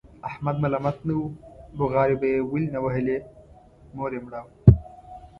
احمد ملامت نه و، بغارې به یې ولې نه وهلې؛ مور یې مړه وه.